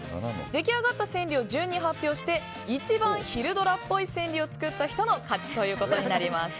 出来上がった川柳を順に発表して一番、昼ドラっぽい川柳を作った人の勝ちということになります。